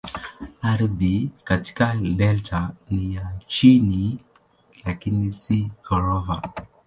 Ardhi katika delta ni ya chini lakini si ghorofa.